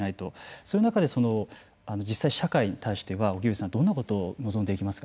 そういう中で実際社会に対しては荻上さん、どんなことを望んでいきますか。